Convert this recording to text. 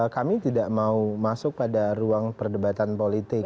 kami tidak mau masuk pada ruang perdebatan politik